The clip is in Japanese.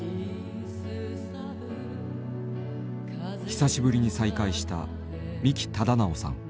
久しぶりに再会した三木忠直さん